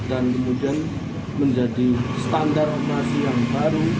dan kemudian menjadi standar operasi yang baru